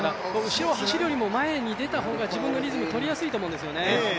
後ろを走るより前に出て走る方が自分のリズムをとりやすいと思うんですよね。